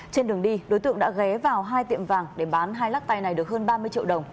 trên đường đi đối tượng đã ghé vào hai tiệm vàng để bán hai lắc tay này được hơn ba mươi triệu đồng